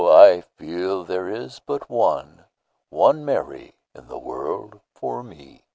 I feel there is but one, One Mary in the world for me.